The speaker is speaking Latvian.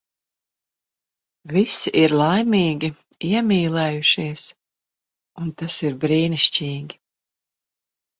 Visi ir laimīgi, iemīlējušies. Un tas ir brīnišķīgi.